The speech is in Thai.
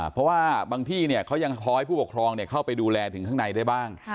เพราะว่าบางที่เขายังคอยให้ผู้ปกครองเข้าไปดูแลถึงข้างในได้บ้าง